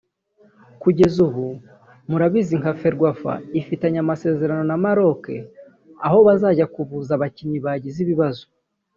Kugeza ubu murabizi nka Ferwafa ifitanye amasezerano na Maroc aho bajya kuvuza abakinnyi bagize ibibazo